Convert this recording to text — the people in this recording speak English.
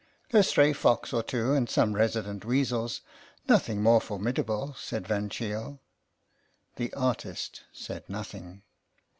"A stray fox or two and some resident weasels. Nothing more formidable," said Van Cheele. The artist said nothing.